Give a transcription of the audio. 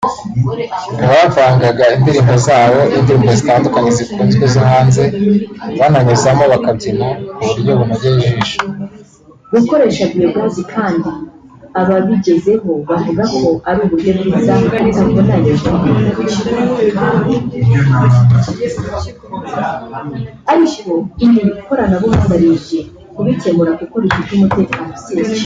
Bavangaga indirimbo zabo n’indirimbo zitandukanye zikunzwe zo hanze bananyuzamo bakabyina ku buryo bunogeye ijisho